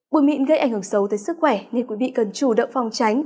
bụi mịn gây ảnh hưởng xấu tới sức khỏe nên quý vị cần chủ động phòng tránh